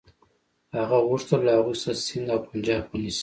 هغه غوښتل له هغوی څخه سند او پنجاب ونیسي.